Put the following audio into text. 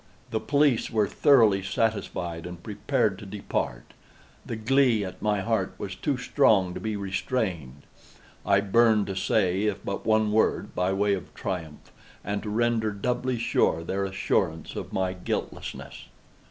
The police were thoroughly satisfied and prepared to depart. The glee at my heart was too strong to be restrained. I burned to say if but one word, by way of triumph, and to render doubly sure their assurance of my guiltlessness.